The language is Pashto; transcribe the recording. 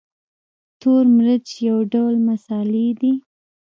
تور مرچ یو ډول مسالې دي